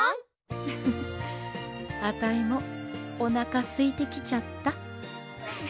ウフフあたいもおなかすいてきちゃった。